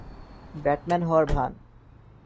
Batman হওয়ার ভান।